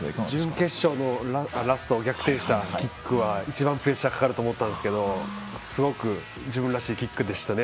準決勝のラスト逆転したキックは一番プレッシャーがかかると思ったんですけどすごく自分らしいキックでしたね。